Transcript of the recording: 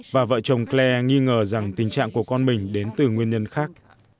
và vợ chồng cle nghi ngờ rằng tình trạng của con mình đến từ nguyên nhân khác